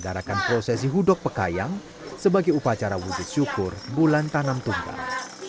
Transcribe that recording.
mengadarakan prosesi hudok pekayang sebagai upacara wujud syukur bulan tanam tunggal